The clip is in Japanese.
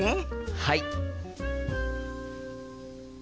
はい！